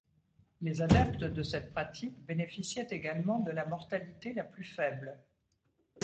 Les adeptes de cette pratique bénéficiaient également de la mortalité la plus faible.